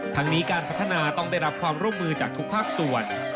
ทั้งนี้การพัฒนาต้องได้รับความร่วมมือจากทุกภาคส่วน